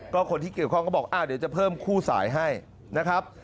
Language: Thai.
ก็คนที่เกี่ยวข้องก็บอกเดี๋ยวจะเพิ่มคู่สายให้นะครับ